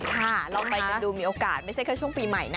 เราไปกันดูมีโอกาสไม่ใช่แค่ช่วงปีใหม่นะ